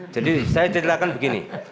jadi saya ceritakan begini